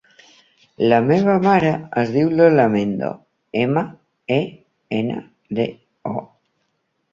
La meva mare es diu Lola Mendo: ema, e, ena, de, o.